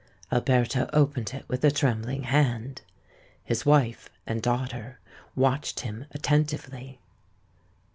Alberto opened it with a trembling hand: his wife and daughter watched him attentively.